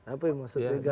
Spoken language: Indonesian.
apa yang maksudnya